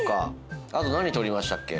あと何撮りましたっけ？